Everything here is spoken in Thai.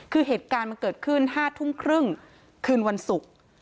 คือเหตุการณ์มันเกิดขึ้น๕ทุ่มครึ่งคืนวันศุกร์